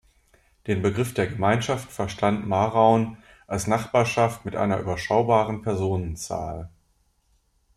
Den Begriff der Gemeinschaft verstand Mahraun als Nachbarschaft mit einer überschaubaren Personenzahl.